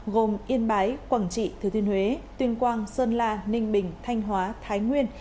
gồm yên bái quảng trị thứ thiên huế tuyên quang sơn la ninh bình thanh hóa thái nguyên